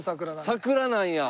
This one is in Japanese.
桜なんや。